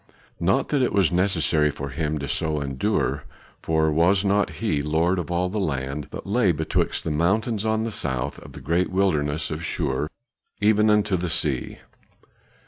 Not that it was necessary for him to so endure, for was not he lord of all the land that lay betwixt the mountains on the south of the great wilderness of Shur, even unto the sea?